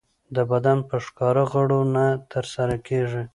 د بدن په ښکاره غړو نه ترسره کېږي.